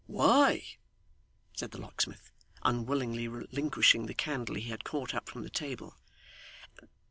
'Why?' said the locksmith, unwillingly relinquishing the candle he had caught up from the table.